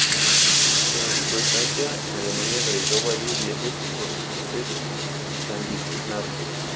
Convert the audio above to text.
Durante su estancia en Alemania realizó varios viajes por los países escandinavos.